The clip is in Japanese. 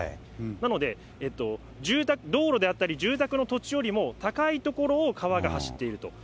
なので、道路であったり、住宅の土地よりも高い所を川が走っていると。